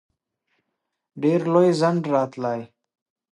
ډېر لوی ځنډ راتلی.